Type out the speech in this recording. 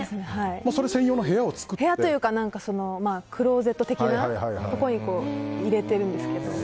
部屋というかクローゼット的なところに入れてるんですけど。